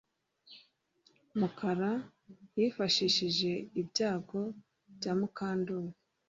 Mukara yifashishije ibyago bya Mukandoli